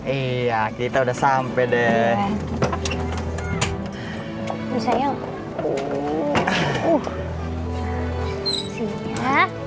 iya kita udah sampai deh bisa yuk